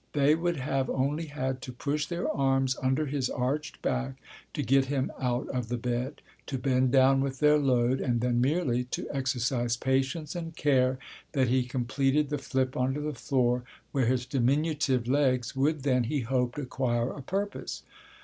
They would have only had to push their arms under his arched back to get him out of the bed, to bend down with their load, and then merely to exercise patience and care that he completed the flip onto the floor, where his diminutive legs would then, he hoped, acquire a purpose.